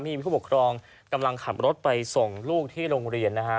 มีผู้ปกครองกำลังขับรถไปส่งลูกที่โรงเรียนนะฮะ